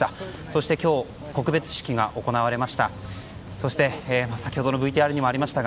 そして今日告別式が行われました。